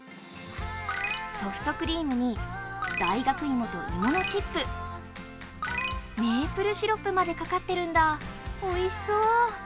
ソフトクリームに大学いもと芋のチップ、メープルシロップまでかかってるんだ、おいしそう。